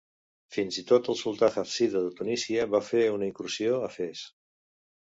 Fins i tot el sultà hàfsida de Tunísia va fer una incursió a Fes.